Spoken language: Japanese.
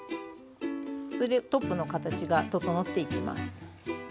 これでトップの形が整っていきます。